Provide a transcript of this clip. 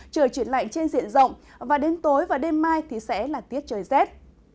trời chuyển lạnh trên diện rộng và đến tối và đêm mai thì sẽ là tiết trời rét